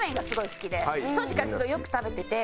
当時からすごいよく食べてて。